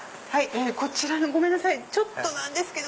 こちらのごめんなさいちょっとなんですけど。